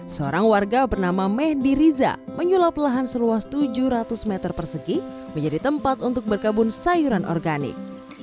seorang warga bernama mehdi riza menyulap lahan seluas tujuh ratus meter persegi menjadi tempat untuk berkebun sayuran organik